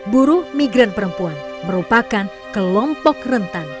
buruh migran perempuan merupakan kelompok rentan